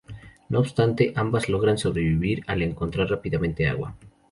No obstante ambas logran sobrevivir al encontrar rápidamente agua.